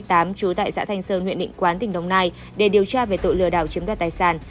trú tại xã thanh sơn huyện định quán tỉnh đồng nai để điều tra về tội lừa đảo chiếm đoạt tài sản